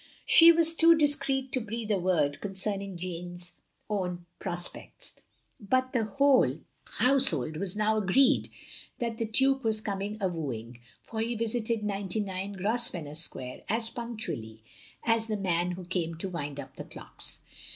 " She was too discreet to breathe a word con cerning Jeanne's own prospects; but the whole 2s6 THE LONELY LADY hotisehold was now agreed that the Dtake was coming a wooing, for he visited 99 Grosvenor Sqtiare as punctually as the man who came to wind up the clocks.